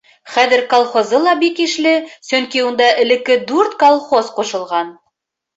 Хәҙер колхозы ла бик ишле, сөнки унда элекке дүрт колхоз ҡушылған.